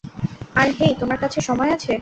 আর, hey, তোমায় কাছে সময় আছে।